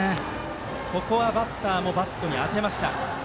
ここはバッターもバットに当てました。